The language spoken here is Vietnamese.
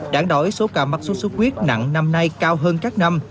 đáng đối số ca mắc sốt sốt quyết nặng năm nay cao hơn các năm